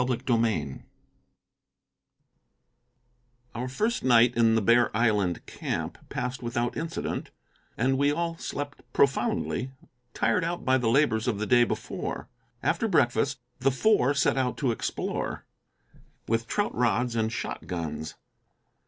CHAPTER XI Our first, night in the Bear Island camp passed without incident, and we all slept profoundly, tired out by the labors of the day before. After breakfast, the Four set out to explore, with trout rods and shot guns.